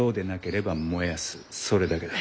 それだけだ。